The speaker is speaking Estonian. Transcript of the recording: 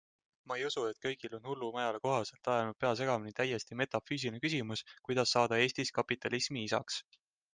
Ma ei usu, et kõigil on hullumajale kohaselt ajanud pea segamini täiesti metafüüsiline küsimus, kuidas saada Eestis kapitalismi isaks?